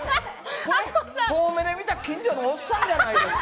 遠目で見たら近所のおっさんじゃないですか。